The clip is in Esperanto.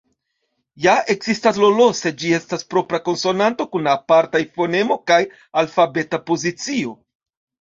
Ja ekzistas "ll", sed ĝi estas propra konsonanto kun apartaj fonemo kaj alfabeta pozicio.